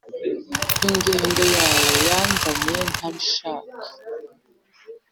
Ingendo yawe yanzanye ntabishaka